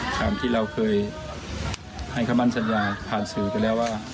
ตามที่เราเคยให้คำมั่นสัญญาผ่านสื่อไปแล้วว่า